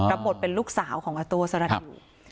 รับบทเป็นลูกสาวของอัตตัวสลัดอยู่ครับ